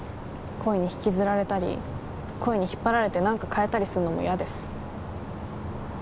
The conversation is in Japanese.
恋にひきずられたり恋に引っ張られて何か変えたりするのも嫌です